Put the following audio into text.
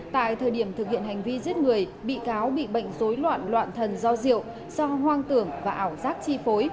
tại thời điểm thực hiện hành vi giết người bị cáo bị bệnh dối loạn loạn thần do rượu do hoang tưởng và ảo giác chi phối